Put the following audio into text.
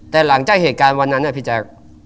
แต่หลังจากเหตุการณ์วันนั้นพี่แจ๊ค